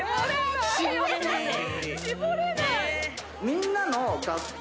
みんなの。